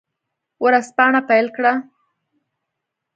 ورځپاڼه پیل کړه.